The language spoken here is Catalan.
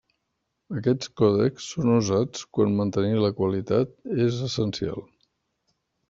Aquests còdecs són usats quan mantenir la qualitat és essencial.